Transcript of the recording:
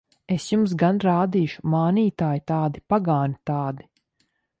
Es jums gan rādīšu! Mānītāji tādi! Pagāni tādi!